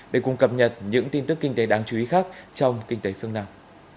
để cùng cập nhật những tin tức kinh tế đáng chú ý khác trong kinh tế phương nam